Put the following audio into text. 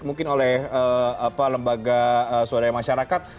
mungkin oleh lembaga swadaya masyarakat